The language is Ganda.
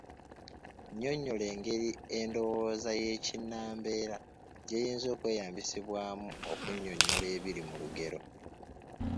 Nnyonnyola engeri endowooza y’Ekinnambeera gy’eyinza okweyambisibwamu okunnyonnyola ebiri mu lugero